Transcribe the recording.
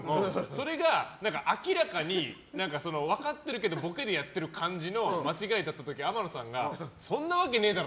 それが明らかに分かってるけどボケでやってる感じの間違いだった時天野さんがそんなわけねえだろ！